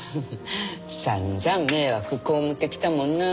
散々迷惑被ってきたもんなあ。